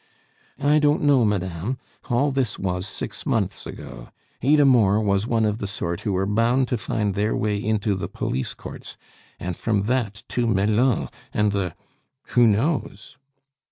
"I don't know, madame; all this was six months ago. Idamore was one of the sort who are bound to find their way into the police courts, and from that to Melun and the who knows